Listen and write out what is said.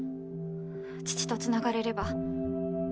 父とつながれれば。